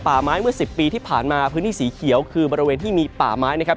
ป่าไม้เมื่อ๑๐ปีที่ผ่านมาพื้นที่สีเขียวคือบริเวณที่มีป่าไม้นะครับ